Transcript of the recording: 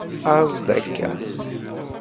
Aẓ-d akka!